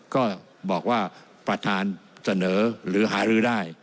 ก็บอกว่าประธานเสนอหรือหารือได้